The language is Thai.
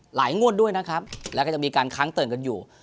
งวดด้วยนะครับแล้วก็จะมีการค้างเติ่งกันอยู่